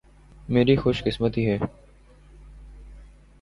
میری خوش قسمتی ہے۔